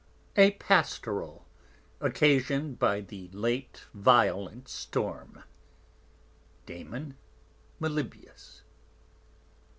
A PASTORAL, Occasion'd by the Late Violent Storm _Damon, Melibæus.